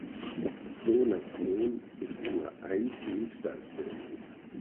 Pro Nation ist nur ein Team startberechtigt.